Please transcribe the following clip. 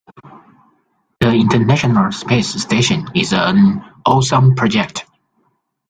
The international space station is an awesome project.